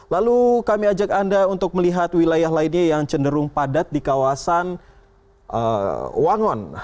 lalu kami ajak anda untuk melihat wilayah lainnya yang cenderung padat di kawasan wangon